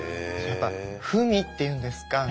やっぱり文っていうんですか